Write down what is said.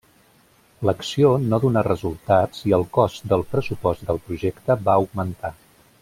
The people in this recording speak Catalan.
L'acció no donà resultats i el cost del pressupost del projecte va augmentar.